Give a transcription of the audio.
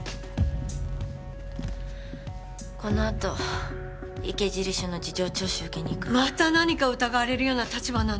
このあと池尻署の事情聴取受けに行くまた何か疑われるような立場なの？